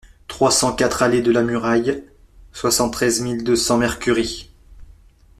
trois cent quatre allée de la Muraille, soixante-treize mille deux cents Mercury